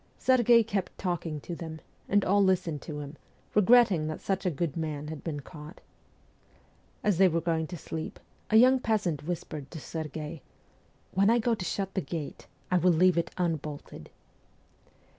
Serghei kept talking to them, and all listened to him, regretting that such a good man had been caught. As they were going to sleep, a young peasant whispered to Serghei, 'When I go to shut the gate I will leave it unbolted.'